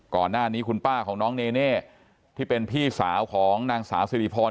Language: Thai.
ก่อนหน้านี้คุณป้าแนเจ้ที่เป็นพี่สาวของนางสาวศิริพร